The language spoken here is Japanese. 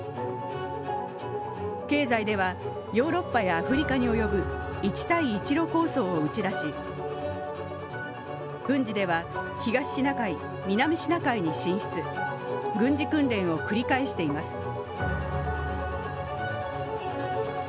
経済ではヨーロッパやアフリカに及ぶ一帯一路構想を打ち出し、軍事では東シナ海、南シナ海に進出軍事訓練を繰り返しています。